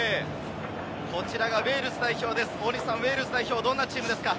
こちらがウェールズ代表です、どんなチームですか？